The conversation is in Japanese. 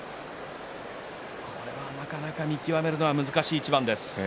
これはなかなか見極めるのが難しい一番です。